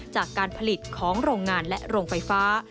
จากการผลิตของโรงงานและโรงไฟฟ้า